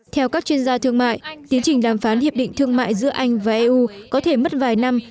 theo các chuyên gia thương mại tiến trình đàm phán hiệp định thương mại giữa anh và eu có thể mất vài năm